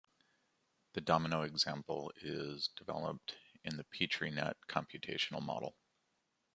The domino example is developed in the Petri net computational model.